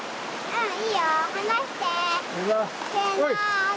はい！